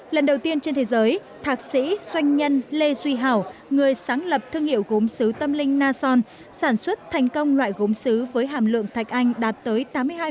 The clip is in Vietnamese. lần đầu tiên trên thế giới thạc sĩ doanh nhân lê duy hảo người sáng lập thương hiệu gốm xứ tâm linh nason sản xuất thành công loại gốm xứ với hàm lượng thạch anh đạt tới tám mươi hai bốn mươi tám